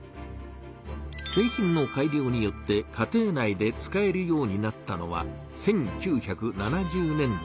製品の改良によって家庭内で使えるようになったのは１９７０年代から。